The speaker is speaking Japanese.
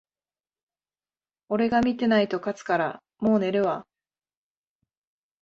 俺が見てないと勝つから、もう寝るわ